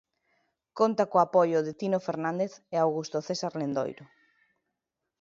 Conta co apoio de Tino Fernández e Augusto César Lendoiro.